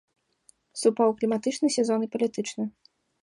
Супаў кліматычны сезон і палітычны.